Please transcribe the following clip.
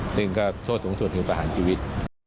หนึ่งก็โทษสูงสุดคือประหารชีวิต